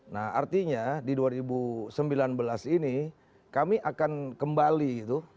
nah artinya di dua ribu sembilan belas ini kami akan kembali gitu